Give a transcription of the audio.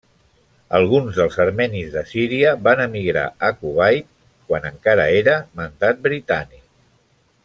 Alguns dels armenis de Síria van emigrar a Kuwait, quan encara era mandat britànic.